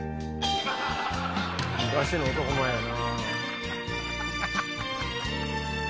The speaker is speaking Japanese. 昔の男前やな。